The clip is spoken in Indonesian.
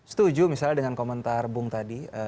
setuju misalnya dengan komentar bung tadi